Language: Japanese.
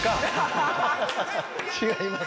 違います。